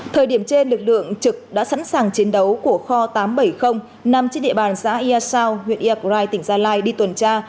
thời điểm trên lực lượng trực đã sẵn sàng chiến đấu của kho tám trăm bảy mươi nằm trên địa bàn xã ia sao huyện iagrai tỉnh gia lai đi tuần tra